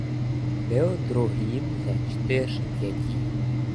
Byl druhým ze čtyř dětí.